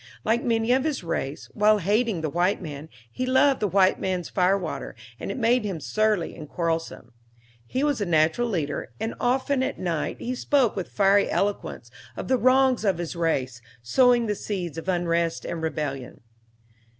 Like many of his race, while hating the white man, he loved the white man's fire water, and it made him surly and quarrelsome. He was a natural leader, and often, at night, he spoke with fiery eloquence of the wrongs of his race, sowing the seeds of unrest and rebellion.